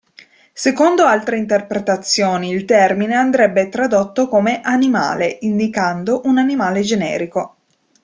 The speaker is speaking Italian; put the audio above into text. Secondo altre interpretazioni il termine andrebbe tradotto come "Animale", indicando un animale generico.